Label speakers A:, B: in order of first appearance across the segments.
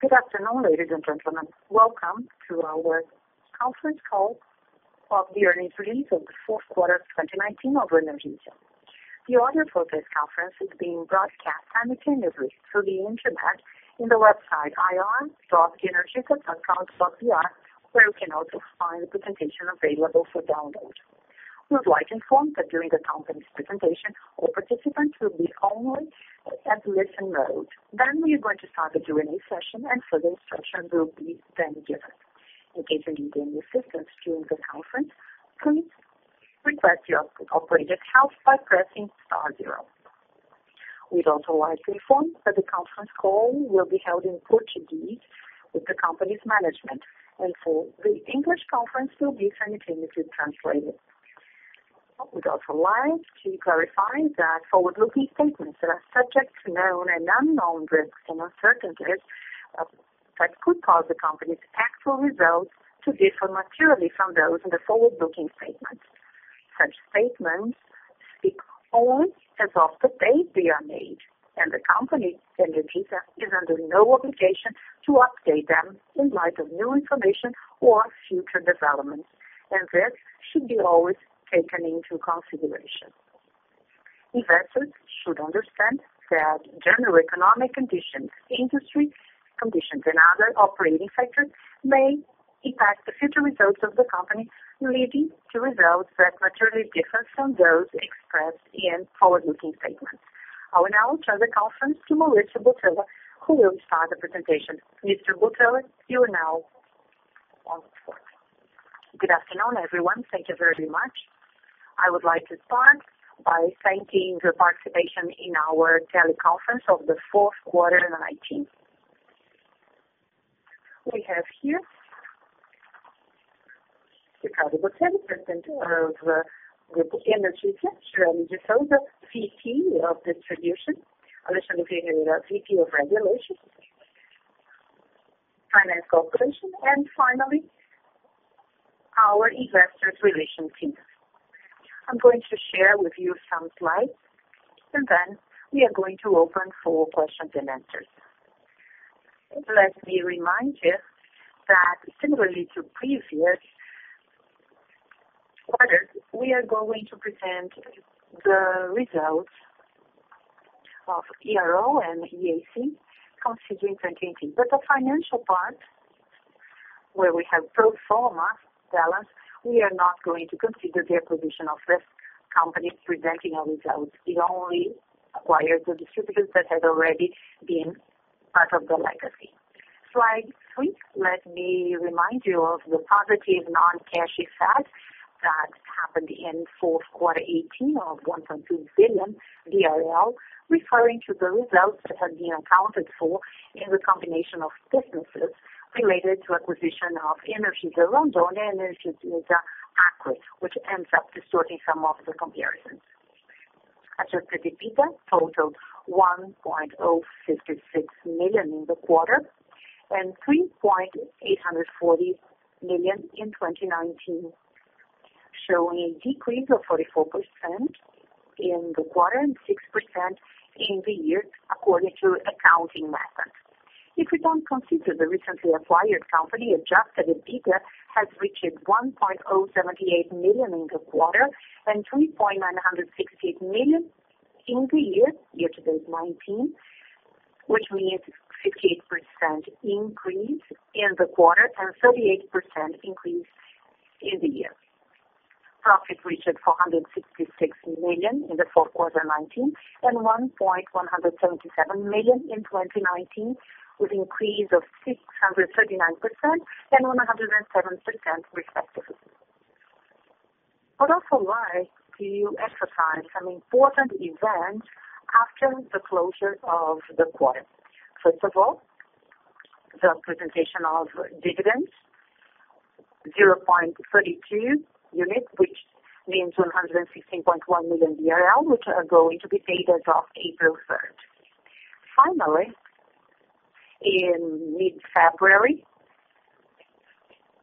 A: Good afternoon, ladies and gentlemen. Welcome to our conference call of the earnings release of the fourth quarter of 2019 of Energisa. The audio for this conference is being broadcast and simultaneously through the internet on the website ir.energisa.com.br, where you can also find the presentation available for download. We would like to inform that during the company's presentation, all participants will be only at listen mode. We are going to start the Q&A session, and further instructions will be then given. In case you're needing assistance during the conference, please request your operator's help by pressing star zero. We'd also like to inform that the conference call will be held in Portuguese with the company's management, and so the English conference will be simultaneously translated. We'd also like to clarify that forward-looking statements are subject to known and unknown risks and uncertainties that could cause the company's actual results to differ materially from those in the forward-looking statements. Such statements speak only as of the date they are made, and the company, Energisa, is under no obligation to update them in light of new information or future developments, and this should be always taken into consideration. Investors should understand that general economic conditions, industry conditions, and other operating factors may impact the future results of the company, leading to results that materially differ from those expressed in forward-looking statements. I will now turn the conference to Maurício Botelho, who will start the presentation. Mr. Botelho, you are now on.
B: Good afternoon, everyone. Thank you very much. I would like to start by thanking your participation in our teleconference of the fourth quarter in 2019. We have here Ricardo Botelho, President of Grupo Energisa, Gioreli de Sousa, VP of Distribution, Alexandre Ferreira, VP of Regulation, Finance Corporation, and finally, our Investor Relations team. I'm going to share with you some slides, and then we are going to open for questions and answers. Let me remind you that similarly to previous quarters, we are going to present the results of ERO and EAC considering 2018. The financial part, where we have pro forma balance, we are not going to consider the acquisition of this company presenting our results. We only acquired the distributors that had already been part of the legacy. Slide three, let me remind you of the positive non-cash effect that happened in fourth quarter 2018 of 1.2 billion, referring to the results that had been accounted for in the combination of businesses related to acquisition of Energisa Rondônia, Energisa Acre, which ends up distorting some of the comparisons. Adjusted EBITDA totaled 1.056 million in the quarter and 3.840 million in 2019, showing a decrease of 44% in the quarter and 6% in the year according to accounting methods. If we don't consider the recently acquired company, adjusted EBITDA has reached 1.078 million in the quarter and 3.968 million in the year to date 2019, which means 58% increase in the quarter and 38% increase in the year. Profit reached 466 million in the fourth quarter 2019 and 1.177 million in 2019, with increase of 639% and 107% respectively. I'd also like to emphasize some important events after the closure of the quarter. First of all, the presentation of dividends, 0.32 units, which means 116.1 million BRL, which are going to be paid as of April 3rd. Finally, in mid-February,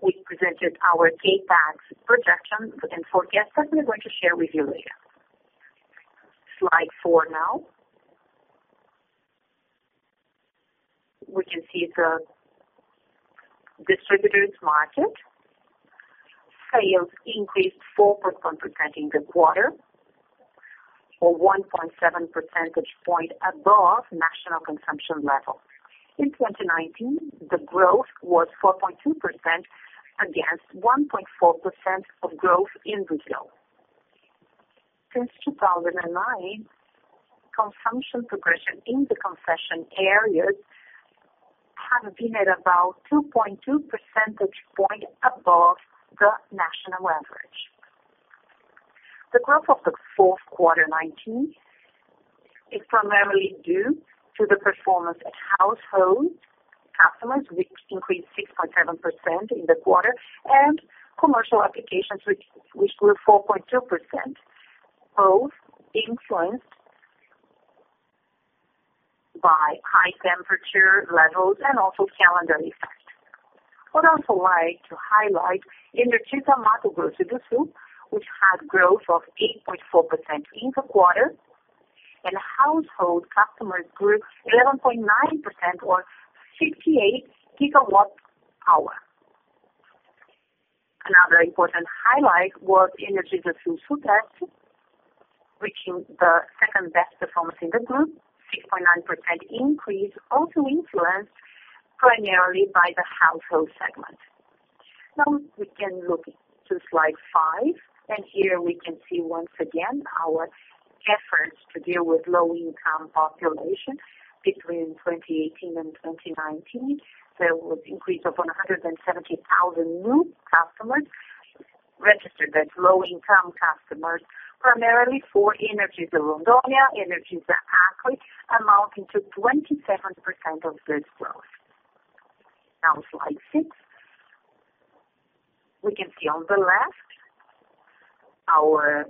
B: we presented our CapEx projections and forecasts that we are going to share with you later. Slide four now. We can see the distributors market sales increased 4% in the quarter or 1.7 percentage point above national consumption level. In 2019, the growth was 4.2% against 1.4% of growth in retail. Since 2009, consumption progression in the concession areas has been at about 2.2 percentage points above the national average. The growth of the fourth quarter 2019 is primarily due to the performance at household customers, which increased 6.7% in the quarter, and commercial applications, which were 4.2%, both influenced by high temperature levels and also calendar effects. Would also like to highlight Energisa Mato Grosso do Sul, which had growth of 8.4% in the quarter, and household customers grew 11.9% or 58 GWh. Another important highlight was Energisa Sul-Sudeste, reaching the second-best performance in the group, 6.9% increase, also influenced primarily by the household segment. We can look to slide five. Here we can see once again our efforts to deal with low-income population. Between 2018 and 2019, there was increase of 170,000 new customers registered as low-income customers, primarily for Energisa Rondônia, Energisa Acre, amounting to 27% of this growth. Slide six. We can see on the left our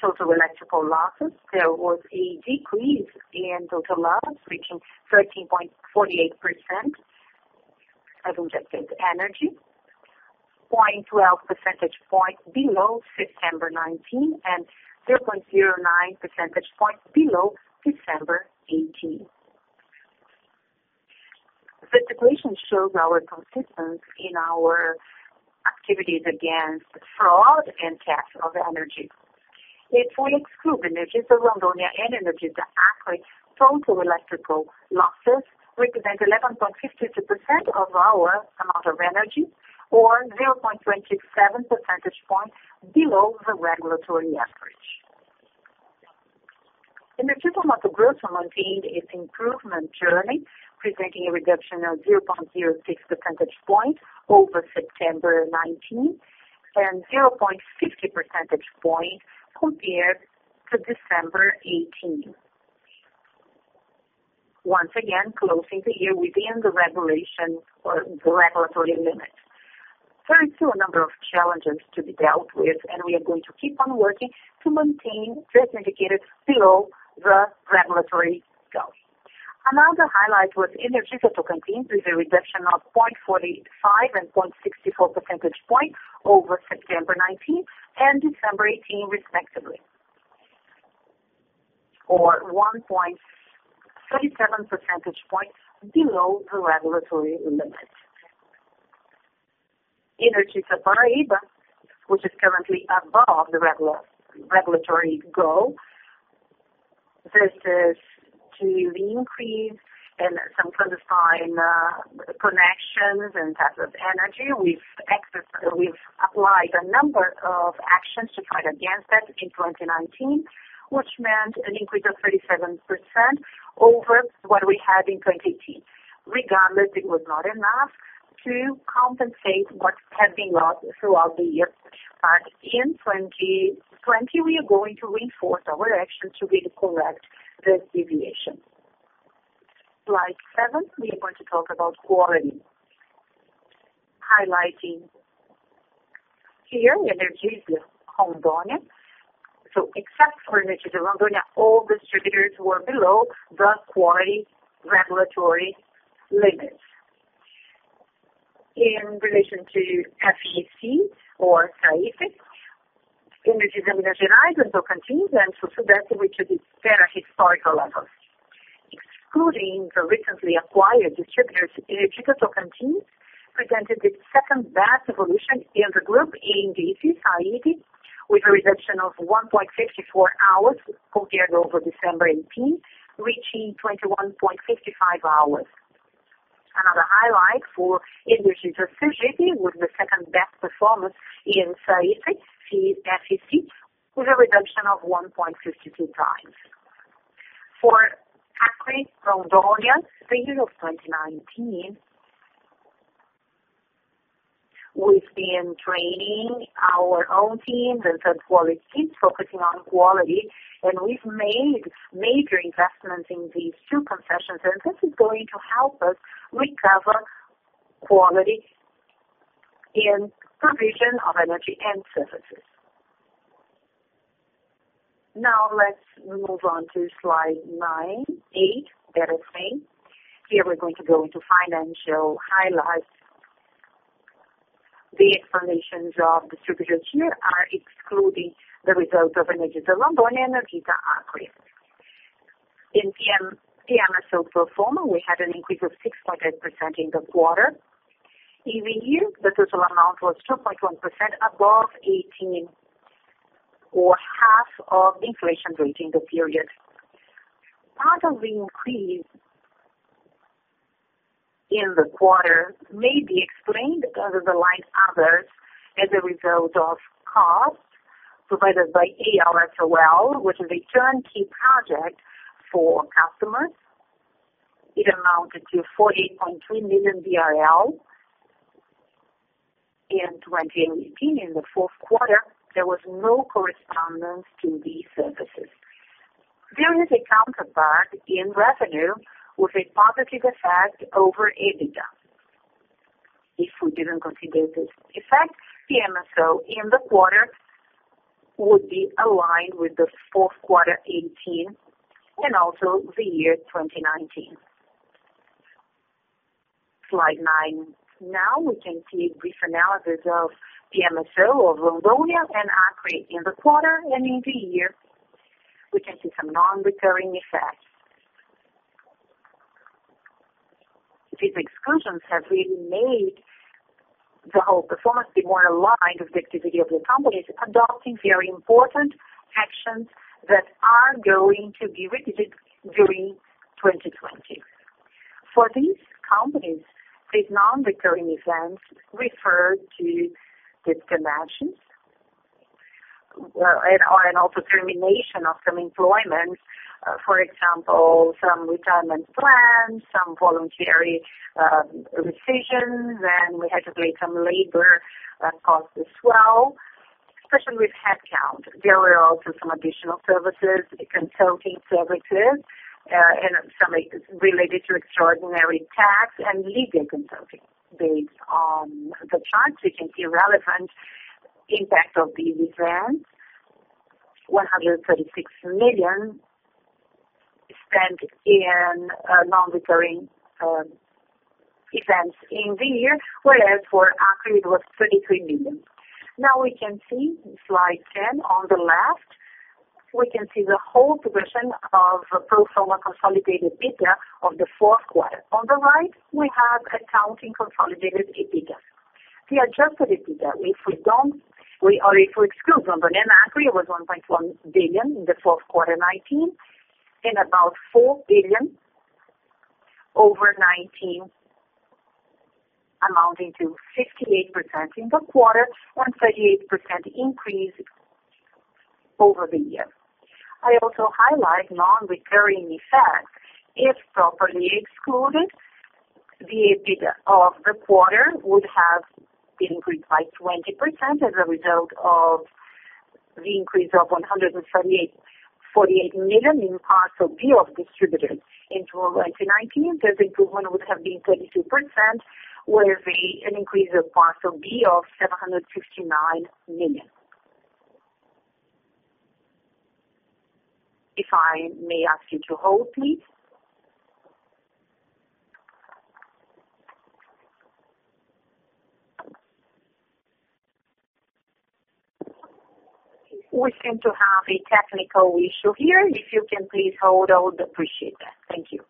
B: total electrical losses. There was a decrease in total loss, reaching 13.48% of injected energy, 0.12 percentage point below September 2019, and 0.09 percentage point below December 2018. This equation shows our consistency in our activities against fraud and theft of energy. If we exclude Energisa Rondônia and Energisa Acre, total electrical losses represent 11.52% of our amount of energy or 0.27 percentage point below the regulatory average. Energisa Mato Grosso maintained its improvement journey, presenting a reduction of 0.06 percentage point over September 2019 and 0.50 percentage point compared to December 2018. Once again, closing the year within the regulation or the regulatory limit. There are still a number of challenges to be dealt with. We are going to keep on working to maintain this indicator below the regulatory goal. Another highlight was Energisa Tocantins with a reduction of 0.45 and 0.64 percentage point over September 2019 and December 2018 respectively, or 1.37 percentage points below the regulatory limit. Energisa Paraíba, which is currently above the regulatory goal. This is due to the increase in some clandestine connections and theft of energy. We've applied a number of actions to fight against that in 2019, which meant an increase of 37% over what we had in 2018. Regardless, it was not enough to compensate what had been lost throughout the years. In 2020, we are going to reinforce our actions to really correct this deviation. Slide seven, we are going to talk about quality. Highlighting here Energisa Rondônia. Except for Energisa Rondônia, all distributors were below the quality regulatory limits. In relation to FEC or SAIDI, Energisa Minas Gerais and Tocantins and Sul-Sudeste reached better historical levels. Excluding the recently acquired distributors, Energisa Tocantins presented the second-best evolution in the group in FEC, SAIDI, with a reduction of 1.64 hours compared over December 2018, reaching 21.65 hours. Another highlight for Energisa Sergipe, with the second-best performance in SAIDI, FEC, with a reduction of 1.52x. For Acre, Rondônia, the year of 2019, we've been training our own teams and third-party teams focusing on quality, and we've made major investments in these two concessions, and this is going to help us recover quality in provision of energy and services. Let's move on to slide nine, eight better say. Here we're going to go into financial highlights. The informations of distributors here are excluding the results of Energisa Rondônia and Energisa Acre. In PMSO pro forma, we had an increase of 6.8% in the quarter. In the year, the total amount was 12.1% above 2018 or half of inflation rate in the period. Part of the increase in the quarter may be explained under the line others as a result of costs provided by Alsol, which is a turnkey project for customers. It amounted to 48.3 million BRL. In 2018, in the fourth quarter, there was no correspondence to these services. There is a counterpart in revenue with a positive effect over EBITDA. If we didn't consider this effect, PMSO in the quarter would be aligned with the fourth quarter 2018 and also the year 2019. Slide nine. Now we can see a brief analysis of the PMSO of Rondônia and Acre in the quarter and in the year. We can see some non-recurring effects. These exclusions have really made the whole performance be more aligned with the activity of the companies adopting very important actions that are going to be repeated during 2020. For these companies, these non-recurring events refer to disconnections and also termination of some employments. For example, some retirement plans, some voluntary recessions, and we had to pay some labor costs as well, especially with headcount. There were also some additional services, consulting services, and some related to extraordinary tax and legal consulting. Based on the charts, we can see relevant impact of these events, 136 million spent in non-recurring events in the year, whereas for Acre it was 33 million. Now we can see slide 10 on the left. We can see the whole progression of pro forma consolidated EBITDA of the fourth quarter. On the right, we have accounting consolidated EBITDA. The adjusted EBITDA, if we exclude Energisa Rondônia and Energisa Acre, was 1.1 billion in the fourth quarter 2019, and about 4 billion over 2019, amounting to 58% in the quarter, 38% increase over the year. I also highlight non-recurring effects. If properly excluded, the EBITDA of the quarter would have increased by 20% as a result of the increase of 148 million in Parcel B of distributors. In 2019, the improvement would have been 22%, with an increase of Parcel B of 759 million. If I may ask you to hold, please. We seem to have a technical issue here. If you can please hold, I would appreciate that. Thank you.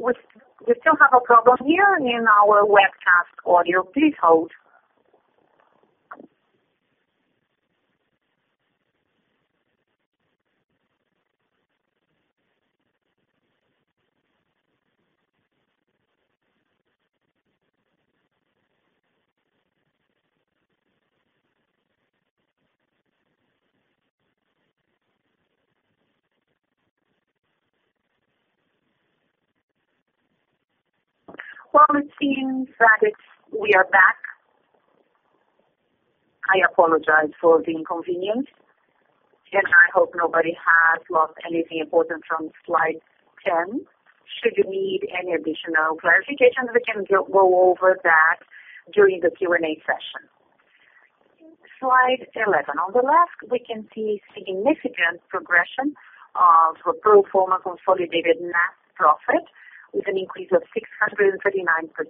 B: We still have a problem here in our webcast audio. Please hold. Well, it seems that we are back. I apologize for the inconvenience, and I hope nobody has lost anything important from slide 10. Should you need any additional clarification, we can go over that during the Q&A session. Slide 11. On the left, we can see significant progression of pro forma consolidated net profit with an increase of 639%.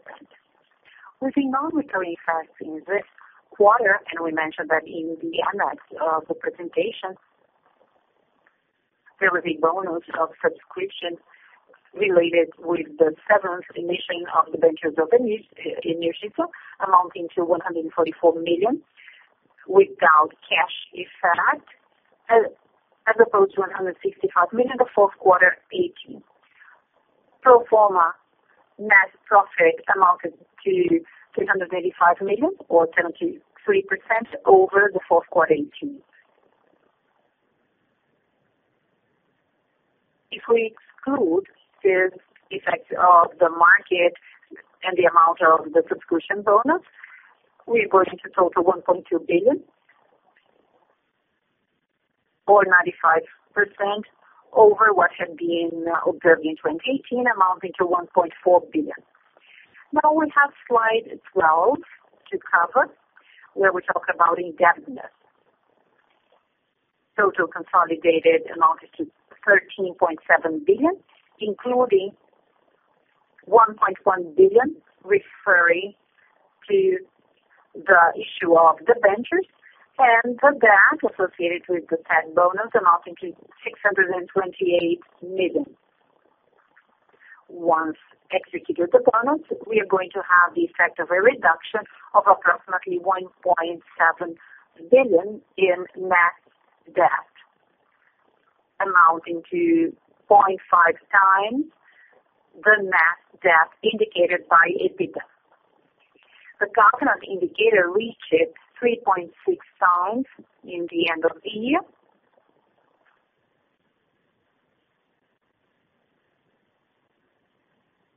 B: With the non-recurring effects in this quarter, and we mentioned that in the annex of the presentation, there was a bonus of subscription related with the seventh emission of debentures in Energisa amounting to 144 million without cash effect, as opposed to 165 million the fourth quarter 2018. Pro forma net profit amounted to 385 million or 73% over the fourth quarter 2018. If we exclude this effect of the market and the amount of the subscription bonus, we're going to total 1.2 billion or 95% over what had been observed in 2018, amounting to 1.4 billion. Now we have slide 12 to cover, where we talk about indebtedness. Total consolidated amounted to 13.7 billion, including 1.1 billion referring to the issue of debentures and the debt associated with the tax bonus amounting to 628 million. Once executed the bonus, we are going to have the effect of a reduction of approximately 1.7 billion in net debt, amounting to 0.5x the net debt indicated by EBITDA. The covenant indicator reached 3.6x in the end of the year.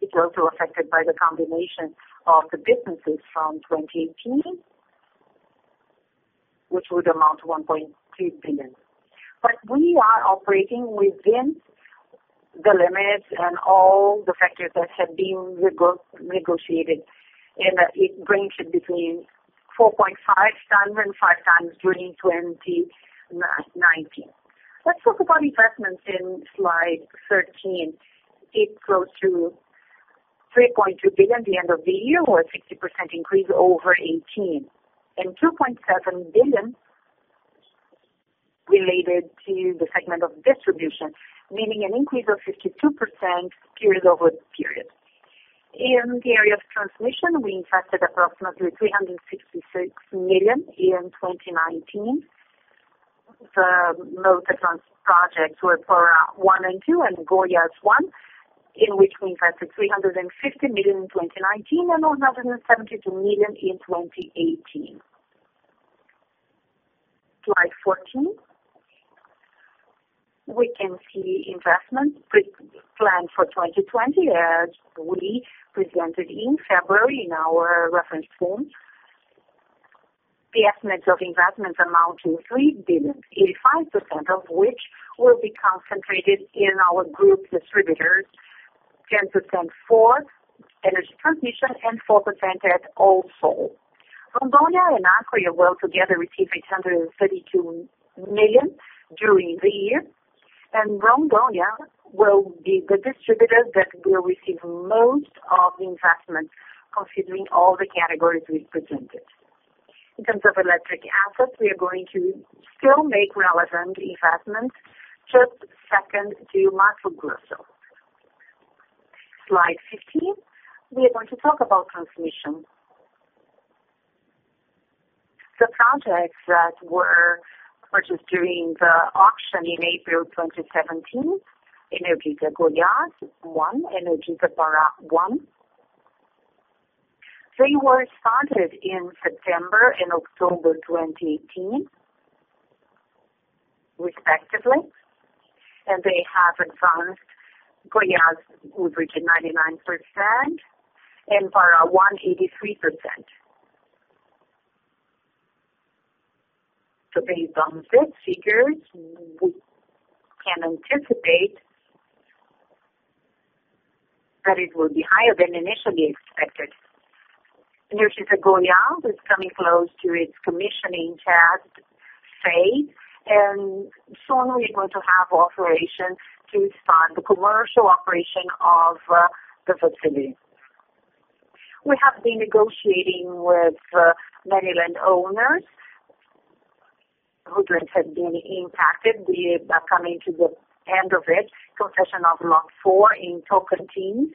B: It's also affected by the combination of the businesses from 2018, which would amount to 1.3 billion. We are operating within the limits and all the factors that have been negotiated, and it ranges between 4.5x and 5x times during 2019. Let's talk about investments in slide 13. It grows to 3.2 billion at the end of the year, or a 60% increase over 2018, and 2.7 billion related to the segment of distribution, meaning an increase of 52% period-over-period. In the area of transmission, we invested approximately 366 million in 2019. The most advanced projects were Pará I and II and Goiás I, in which we invested 350 million in 2019 and 172 million in 2018. Slide 14. We can see investments planned for 2020 as we presented in February in our reference call. The estimates of investments amount to 3 billion, 85% of which will be concentrated in our group distributors, 10% for energy transmission, and 4% at Alsol. Rondônia and Acre will together receive 832 million during the year, and Rondônia will be the distributor that will receive most of the investment considering all the categories we presented. In terms of electric assets, we are going to still make relevant investments, just second to Mato Grosso. Slide 15, we are going to talk about transmission. The projects that were purchased during the auction in April 2017, Energisa Goiás I, Energisa Pará I, were started in September and October 2018 respectively. They have advanced. Goiás would reach at 99% and Pará I 83%. Based on these figures, we can anticipate that it will be higher than initially expected. Energisa Goiás is coming close to its commissioning phase, and soon we're going to have operations to start the commercial operation of the facility. We have been negotiating with many landowners whose lands have been impacted. We are coming to the end of it. Concession of Block 4 in Tocantins,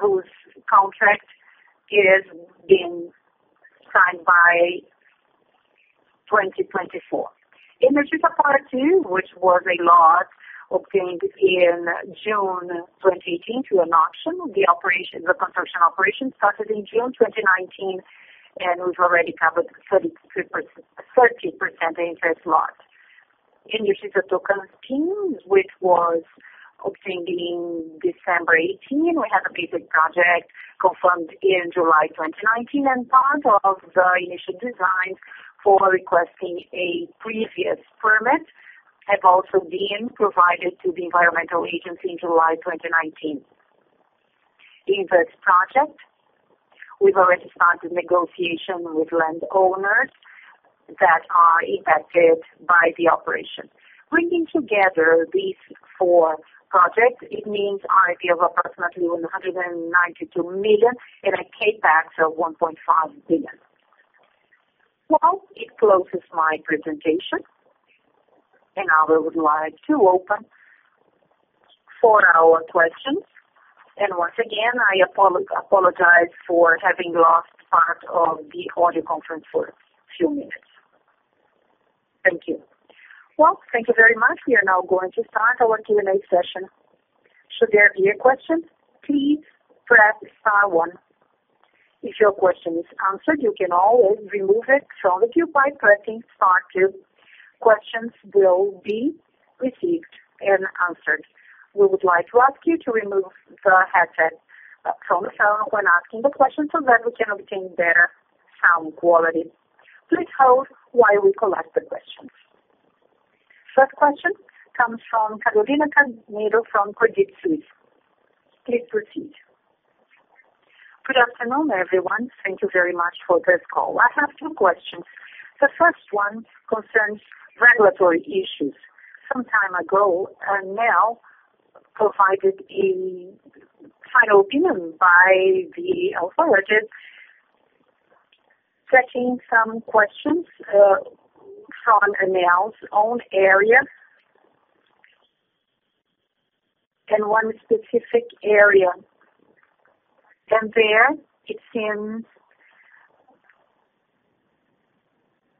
B: whose contract is being signed by 2024. Energisa Pará II, which was a lot obtained in June 2018 through an auction. The construction operation started in June 2019, and we've already covered 30% of this lot. Energisa Tocantins, which was obtained in December 2018. We had a basic project confirmed in July 2019, and part of the initial designs for requesting a previous permit have also been provided to the environmental agency in July 2019. In this project, we've already started negotiation with landowners that are impacted by the operation. Bringing together these four projects, it means an RAP of approximately 192 million and a CapEx of 1.5 billion. It closes my presentation. Now we would like to open for our questions. Once again, I apologize for having lost part of the audio conference for a few minutes. Thank you. Thank you very much. We are now going to start our Q&A session.
A: Should there be a question, please press star one. If your question is answered, you can always remove it from the queue by pressing star two. Questions will be received and answered. We would like to ask you to remove the headset from the phone when asking the question so that we can obtain better sound quality. Please hold while we collect the questions. First question comes from Carolina Carneiro from Credit Suisse. Please proceed.
C: Good afternoon, everyone. Thank you very much for this call. I have two questions. The first one concerns regulatory issues. Some time ago, ANEEL provided a final opinion by the authorities checking some questions from ANEEL's own area and one specific area. It seems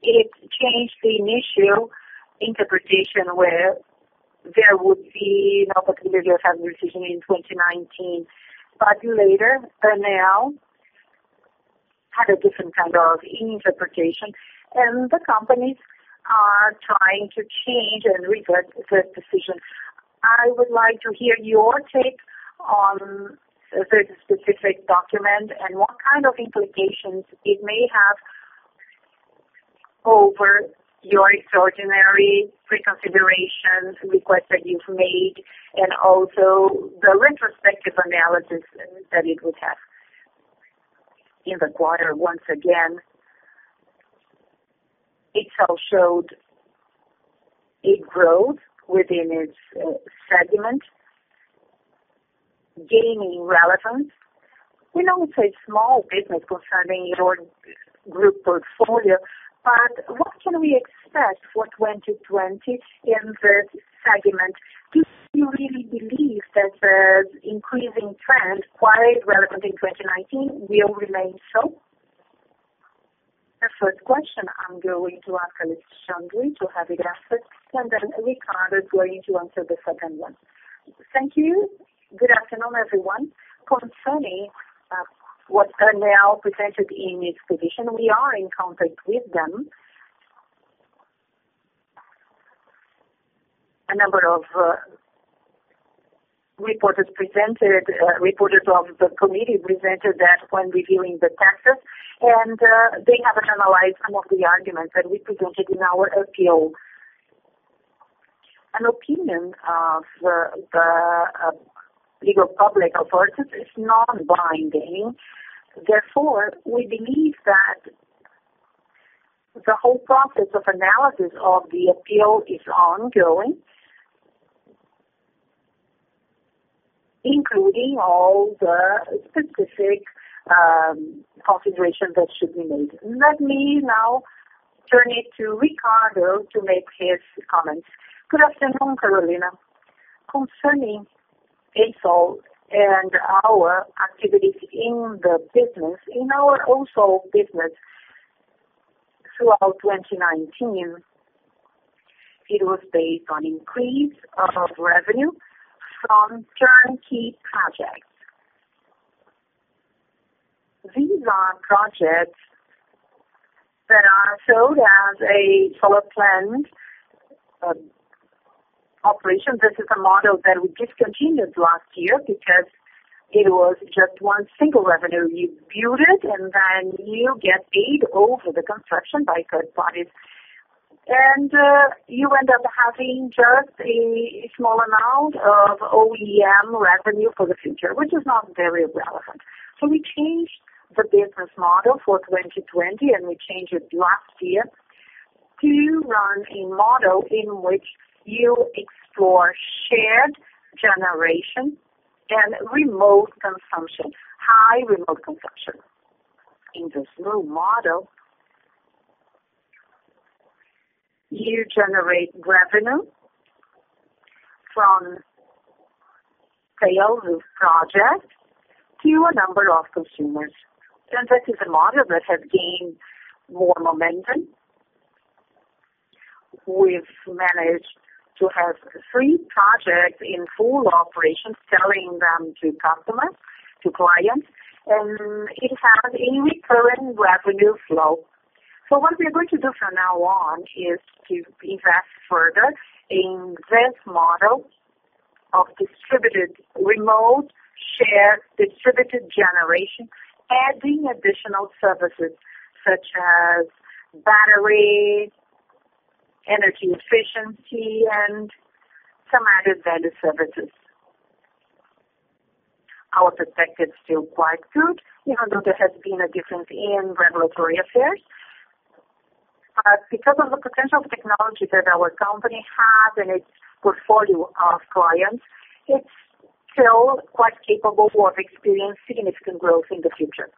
C: it changed the initial interpretation where there would be no possibility of having a decision in 2019. Later, ANEEL had a different kind of interpretation, and the companies are trying to change and revert the decision. I would like to hear your take on the specific document and what kind of implications it may have over your extraordinary pre-consideration request that you've made, and also the retrospective analysis that it would have. In the quarter, once again, Alsol showed a growth within its segment, gaining relevance. We know it's a small business concerning your group portfolio. What can we expect for 2020 in this segment? Do you really believe that the increasing trend, quite relevant in 2019, will remain so? The first question I'm going to ask Alexandre to have it answered. Then Ricardo is going to answer the second one. Thank you.
D: Good afternoon, everyone. Concerning what ANEEL presented in its position, we are in contact with them. A number of reporters of the committee presented that when reviewing the taxes, they have analyzed some of the arguments that we presented in our appeal. An opinion of the legal public authorities is non-binding. Therefore, we believe that the whole process of analysis of the appeal is ongoing, including all the specific considerations that should be made. Let me now turn it to Ricardo to make his comments.
E: Good afternoon, Carolina. Concerning Alsol and our activity in the business, in our Alsol business throughout 2019, it was based on increase of revenue from turnkey projects. These are projects that are sold as a full planned operation. This is a model that we discontinued last year because it was just one single revenue. You build it, and then you get paid over the construction by third parties, and you end up having just a small amount of OEM revenue for the future, which is not very relevant. We changed the business model for 2020, and we changed it last year, to run a model in which you explore shared generation and remote consumption, high remote consumption. In this new model, you generate revenue from sales of projects to a number of consumers. That is a model that has gained more momentum. We've managed to have three projects in full operation, selling them to customers, to clients, and it has a recurring revenue flow. What we are going to do from now on is to invest further in this model of distributed, remote, shared, distributed generation, adding additional services such as battery, energy efficiency, and some added value services. Our perspective is still quite good, even though there has been a difference in regulatory affairs. Because of the potential of technology that our company has in its portfolio of clients, it's still quite capable of experiencing significant growth in the future.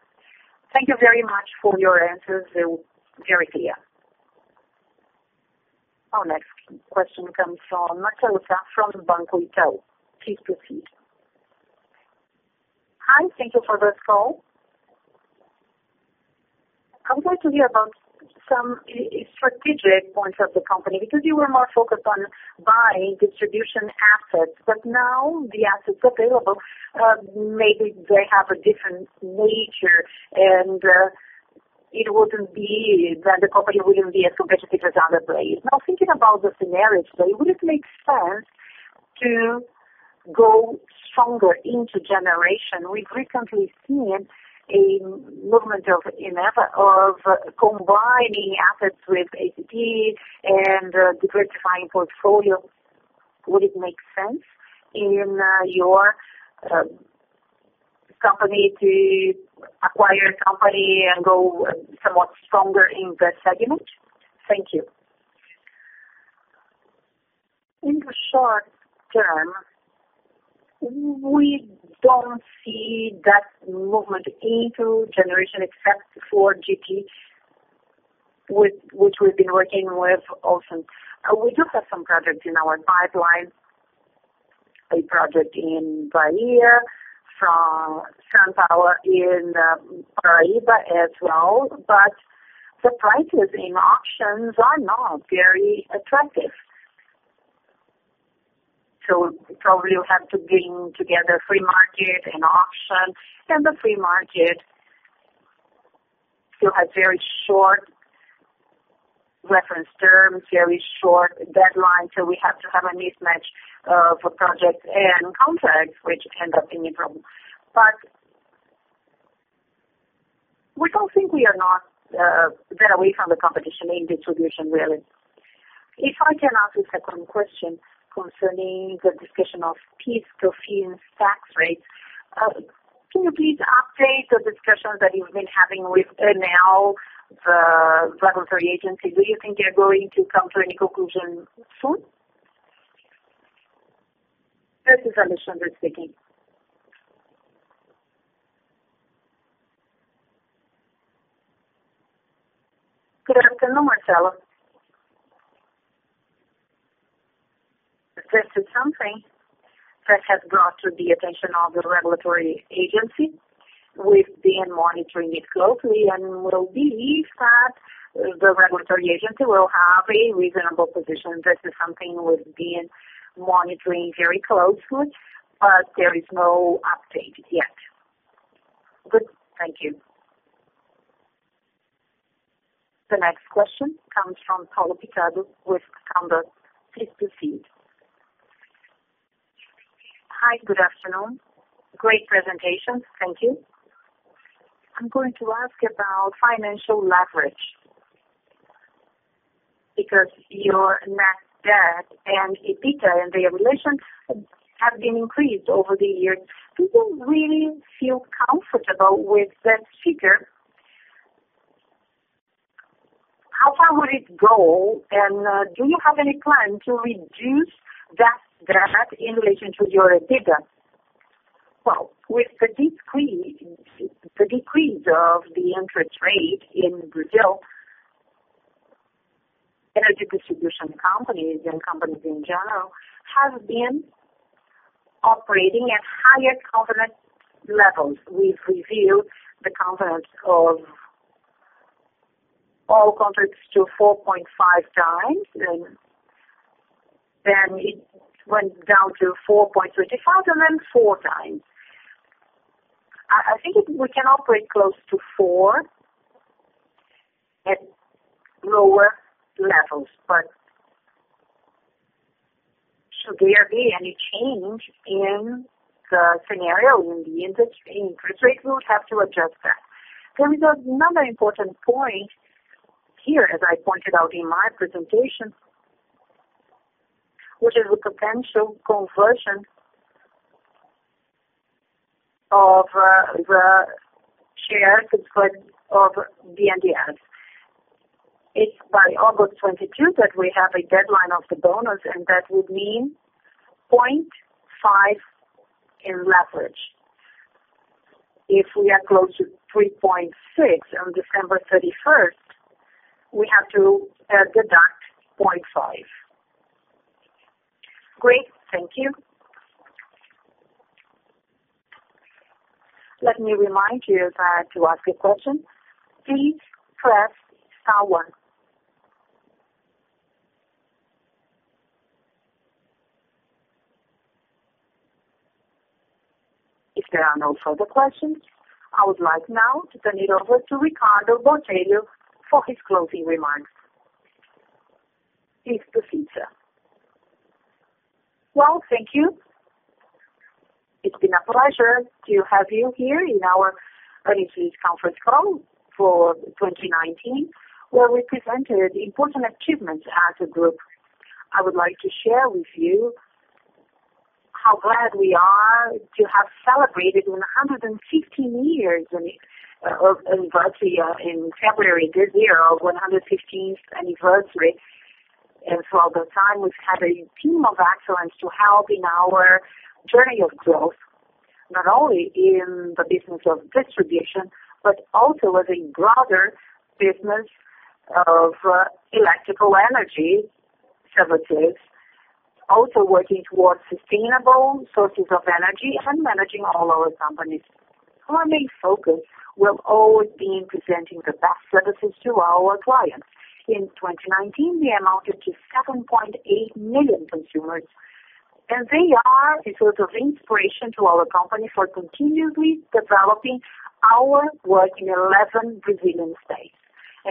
C: Thank you very much for your answers. They were very clear.
A: Our next question comes from Marcelo Sá from Banco Itaú. Please proceed.
F: Hi. Thank you for this call. I would like to hear about some strategic points of the company, because you were more focused on buying distribution assets, but now the assets available, maybe they have a different nature, and it wouldn't be that the company wouldn't be as competitive as other players. Thinking about the scenario today, would it make sense to go stronger into generation? We've recently seen a movement of combining assets with ETT and diversifying portfolios. Would it make sense in your company to acquire a company and go somewhat stronger in that segment? Thank you.
E: In the short term, we don't see that movement into generation, except for GD, which we've been working with also. We do have some projects in our pipeline. A project in Bahia, from São Paulo in Paraíba as well. The prices in auctions are not very attractive. Probably we'll have to bring together free market and auction, and the free market still has very short reference terms, very short deadlines, so we have to have a mismatch of projects and contracts, which ends up being a problem. We don't think we are not that away from the competition in distribution, really.
F: If I can ask a second question concerning the discussion of fiscal fees and tax rates, can you please update the discussions that you've been having with ANEEL, the regulatory agency? Do you think you're going to come to any conclusion soon?
D: This is Alexandre speaking. Good afternoon, Marcelo. This is something that has brought to the attention of the regulatory agency. We've been monitoring it closely and we believe that the regulatory agency will have a reasonable position. This is something we've been monitoring very closely. There is no update yet.
F: Good. Thank you.
A: The next question comes from Paulo Camacho with Canvas. Please proceed.
G: Hi. Good afternoon. Great presentation. Thank you. I'm going to ask about financial leverage because your net debt and EBITDA and their relation have been increased over the years. Do you really feel comfortable with that figure? How far would it go, and do you have any plan to reduce that debt in relation to your EBITDA?
B: With the decrease of the interest rate in Brazil, energy distribution companies and companies in general have been operating at higher covenant levels. We've reviewed the covenants of all covenants to 4.5x, and then it went down to 4.25x, and then 4x. I think we can operate close to 4 at lower levels. Should there be any change in the scenario in the industry, in interest rates, we would have to adjust that. There is another important point here, as I pointed out in my presentation, which is the potential conversion of the shares of BNDES. It's by August 22 that we have a deadline of the bonus, and that would mean 0.5 in leverage. If we are close to 3.6 on December 31st, we have to deduct 0.5.
G: Great. Thank you.
A: Let me remind you that to ask a question, please press star one. If there are no further questions, I would like now to turn it over to Ricardo Botelho for his closing remarks. Please proceed, sir.
E: Well, thank you. It's been a pleasure to have you here in our earnings conference call for 2019, where we presented important achievements as a group. I would like to share with you how glad we are to have celebrated 115 years anniversary in February this year, of 115th anniversary. For all the time, we've had a team of excellence to help in our journey of growth, not only in the business of distribution, but also as a broader business of electrical energy services, also working towards sustainable sources of energy and managing all our companies. Our main focus will always be in presenting the best services to our clients. In 2019, we amounted to 7.8 million consumers, they are a source of inspiration to our company for continuously developing our work in 11 Brazilian states.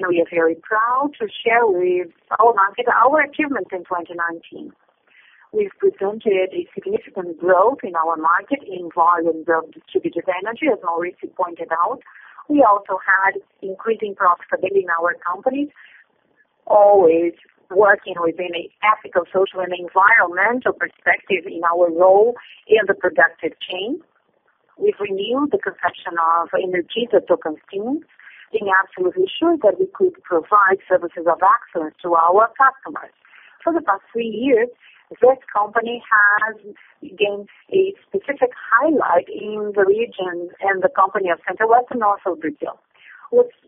E: We are very proud to share with our market our achievements in 2019. We've presented a significant growth in our market in volume of distributed energy, as Maurício pointed out. We also had increasing profitability in our company, always working within an ethical, social, and environmental perspective in our role in the productive chain. We've renewed the concession of Energisa Tocantins, being absolutely sure that we could provide services of excellence to our customers. For the past three years, this company has gained a specific highlight in the region and the company of Midwest and North of Brazil.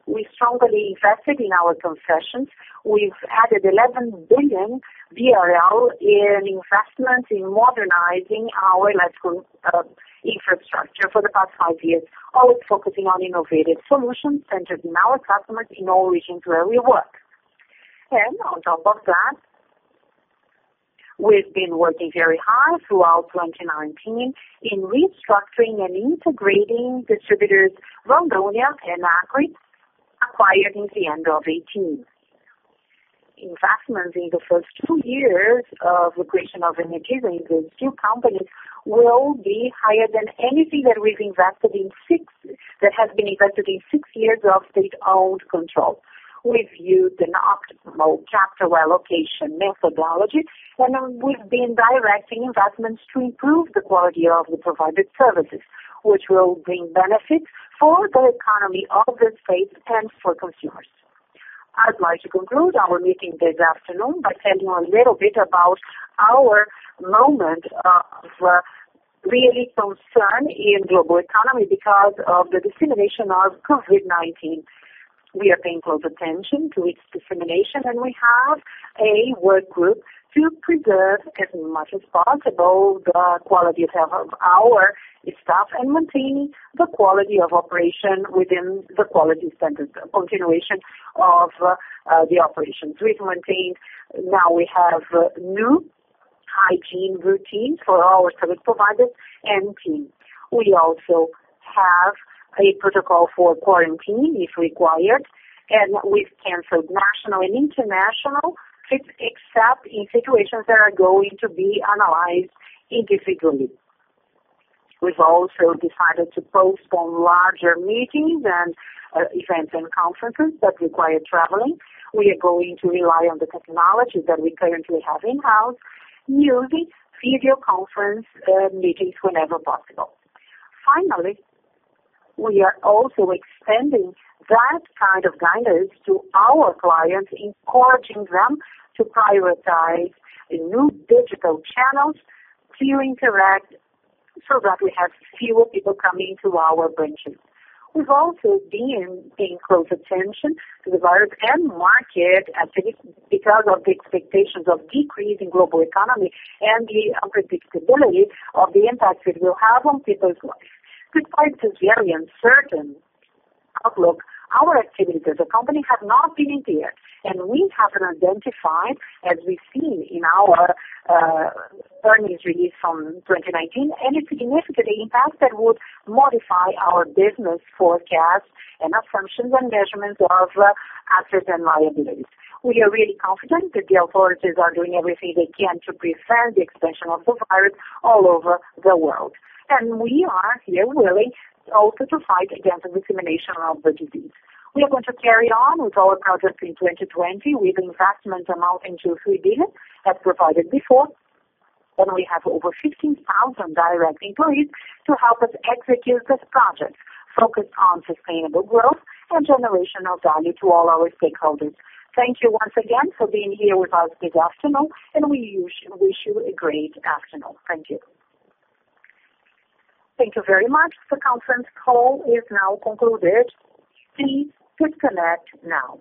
E: We strongly invested in our concessions. We've added 11 billion BRL in investment in modernizing our electrical infrastructure for the past five years, always focusing on innovative solutions centered in our customers in all regions where we work. On top of that, we've been working very hard throughout 2019 in restructuring and integrating distributors Rondônia and Acre, acquired in the end of 2018. Investments in the first two years of the creation of Energisa includes two companies will be higher than anything that has been invested in six years of state-owned control. We've used an optimal capital allocation methodology, and we've been directing investments to improve the quality of the provided services, which will bring benefits for the economy of the state and for consumers. I'd like to conclude our meeting this afternoon by telling you a little bit about our moment of really concern in global economy because of the dissemination of COVID-19. We are paying close attention to its dissemination, and we have a work group to preserve, as much as possible, the quality of health of our staff and maintaining the quality of operation within the quality standards, continuation of the operations. We've maintained, now we have new hygiene routines for our service providers and team. We also have a protocol for quarantine if required, and we've canceled national and international trips, except in situations that are going to be analyzed individually. We've also decided to postpone larger meetings and events and conferences that require traveling. We are going to rely on the technology that we currently have in-house using video conference meetings whenever possible. We are also extending that kind of guidance to our clients, encouraging them to prioritize new digital channels to interact so that we have fewer people coming to our branches. We've also been paying close attention to the virus and market because of the expectations of decrease in global economy and the unpredictability of the impact it will have on people's lives. Despite this very uncertain outlook, our activities as a company have not been impaired, and we haven't identified, as we've seen in our earnings release from 2019, any significant impact that would modify our business forecasts and assumptions and measurements of assets and liabilities. We are really confident that the authorities are doing everything they can to prevent the expansion of the virus all over the world. We are here willing also to fight against the dissemination of the disease. We are going to carry on with our projects in 2020 with investment amount into 3 billion as provided before. We have over 15,000 direct employees to help us execute this project focused on sustainable growth and generation of value to all our stakeholders. Thank you once again for being here with us this afternoon, and we wish you a great afternoon. Thank you.
A: Thank you very much. The conference call is now concluded. Please disconnect now.